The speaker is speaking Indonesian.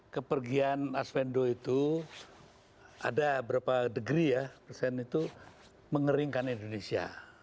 kepergian arswendo itu ada berapa degree ya persen itu mengeringkan indonesia